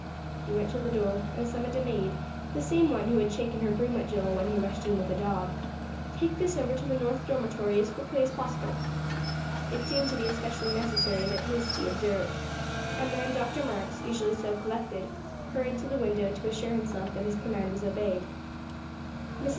He went to the door and summoned a maid, the same one who had shaken her broom at Joel when he rushed in with the dog. "Take this over to the North Dormitory as quickly as possible." It seemed to be especially necessary that haste be observed; and Dr. Marks, usually so collected, hurried to the window to assure himself that his command was obeyed. Mrs.